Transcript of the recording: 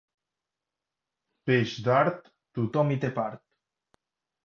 Peix d'art, tothom hi té part.